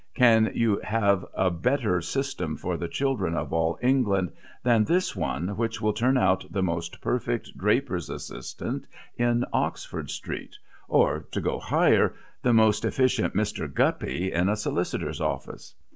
Can you have a better system for the children of all England than this one which will turn out the most perfect draper's assistant in Oxford Street, or, to go higher, the most efficient Mr. Guppy in a solicitor's office?